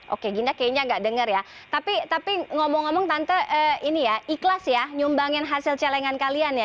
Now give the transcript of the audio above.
oke ginda kayaknya nggak dengar ya tapi ngomong ngomong tante ini ya ikhlas ya nyumbangin hasil celengan kalian ya